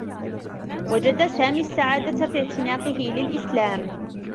وجد سامي السّعادة في اعتناقه للإسلام.